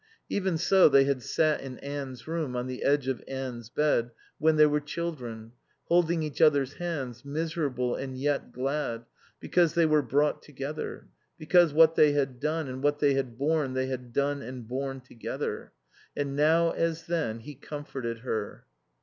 Even so they had sat in Anne's room, on the edge of Anne's bed, when they were children, holding each other's hands, miserable and yet glad because they were brought together, because what they had done and what they had borne they had done and borne together. And now as then he comforted her.